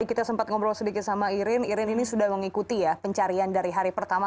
kita sempat ngobrol sedikit sama irin irin ini sudah mengikuti ya pencarian dari hari pertama